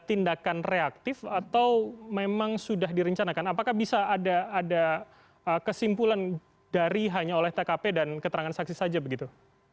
tindakan reaktif atau memang sudah direncanakan apakah bisa ada kesimpulan dari hanya oleh tkp dan keterangan saksi saja begitu